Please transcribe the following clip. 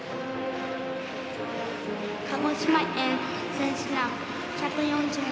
鹿児島県選手団、１４８名。